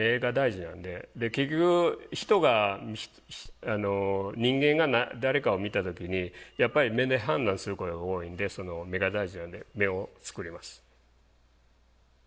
結局人が人間が誰かを見た時にやっぱり目で判断することが多いんでその目が大事なんで目を作ります。